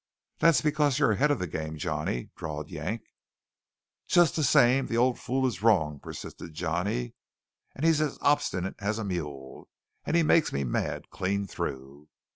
"That's because you're ahead of the game, Johnny," drawled Yank. "Just the same the old fool is wrong," persisted Johnny, "and he's as obstinate as a mule, and he makes me mad clean through.